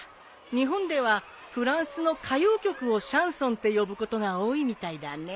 日本ではフランスの歌謡曲をシャンソンって呼ぶことが多いみたいだね。